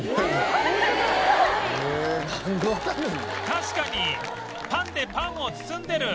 確かにパンでパンを包んでる